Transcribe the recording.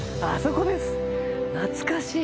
懐かしい。